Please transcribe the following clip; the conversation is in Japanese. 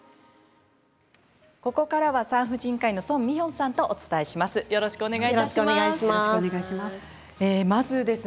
ここからは産婦人科医の宋美玄さんとお伝えします。